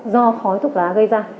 do khói thuốc lá gây ra